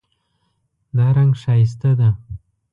دا رنګ ښایسته ده